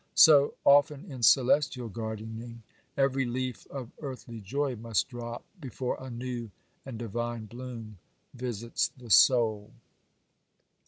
So, often in celestial gardening, every leaf of earthly joy must drop, before a new and divine bloom visits the soul.